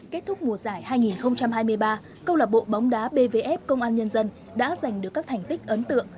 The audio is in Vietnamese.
kết thúc mùa giải hai nghìn hai mươi ba câu lạc bộ bóng đá bvf công an nhân dân đã giành được các thành tích ấn tượng